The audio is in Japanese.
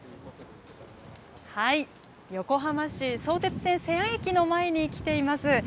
横浜市、相鉄線瀬谷駅の前に来ています。